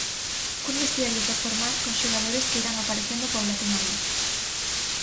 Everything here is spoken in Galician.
Cun vestiario por formar, con xogadores que irán aparecendo paulatinamente.